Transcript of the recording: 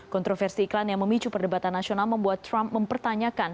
kontroversi iklan yang memicu perdebatan nasional membuat trump mempertanyakan